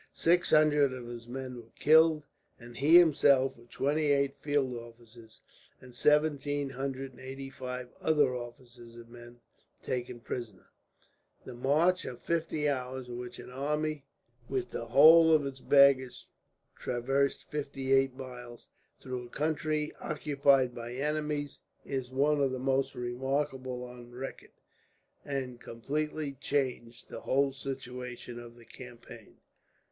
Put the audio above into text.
Six hundred of his men were killed; and he himself, with twenty eight field officers and seventeen hundred and eighty five other officers and men, taken prisoners. This march of fifty hours, in which an army with the whole of its baggage traversed fifty eight miles, through a country occupied by enemies, is one of the most remarkable on record, and completely changed the whole situation of the campaign.